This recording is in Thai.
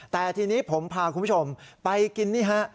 แต่ทีนี้ผมพาคุณผู้ชมไปกินนี่ฮะ